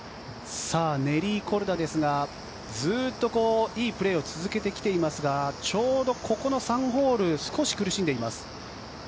ネリー・コルダですがずっといいプレーを続けてきていますがちょうどここの３ホール少し苦しんでいます。